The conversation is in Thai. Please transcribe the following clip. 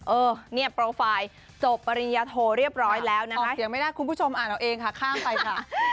เออเนี่ยโปรไฟล์จบปริญญาโทเรียบร้อยแล้วนะคะยังไม่ได้คุณผู้ชมอ่านเอาเองค่ะข้ามไปค่ะ